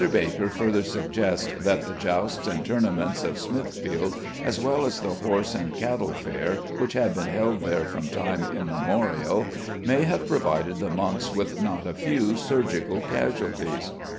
Baker further suggests that the jousts and tournaments of Smithfield, as well as the horse and cattle fair which had been held there from time immemorial, may have provided the monks with not a few surgical casualties.